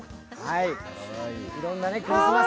いろんなクリスマス